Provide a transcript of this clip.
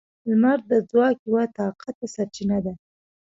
• لمر د ځواک یوه طاقته سرچینه ده.